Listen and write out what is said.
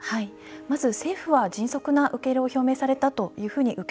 まず政府は迅速な受け入れを表明されたというふうに受け止めています。